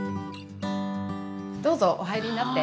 どうぞお入りになって。